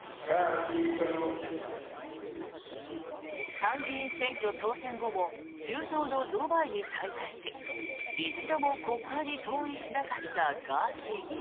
参議院選挙当選後も中東のドバイに滞在し一度も国会に登院しなかったガーシー議員。